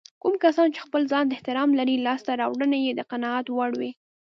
کوم کسان چې خپل ځانته احترام لري لاسته راوړنې يې د قناعت وړ وي.